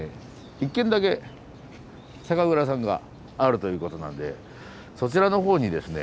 一軒だけ酒蔵さんがあるということなんでそちらのほうにですね